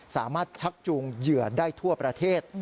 ชักจูงเหยื่อได้ทั่วประเทศ